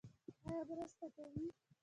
ایا مرسته کوئ؟